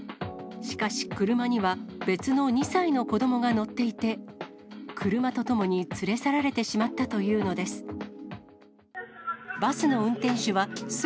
しかし車には、別の２歳の子どもが乗っていて、車とともに連れ去られてしまったというのです。